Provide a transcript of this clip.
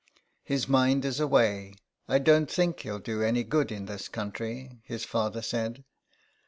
"His mind is away. I don't think he'll do any good in this country," his father said.